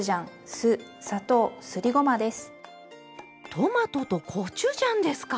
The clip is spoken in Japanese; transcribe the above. トマトとコチュジャンですか？